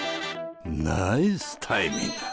ナイスタイミング！